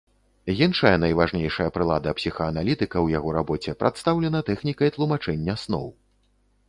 Іншая найважнейшая прылада псіхааналітыка ў яго рабоце прадстаўлена тэхнікай тлумачэння сноў.